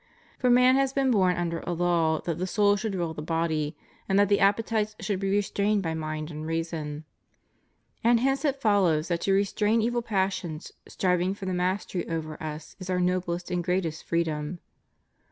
For man has been born under a law that the soul should rule the body, and that the appetites should be restrained by mind and reason; and hence it follows that to restrain evil passions striving for the mastery over us is our noblest and greatest freedom.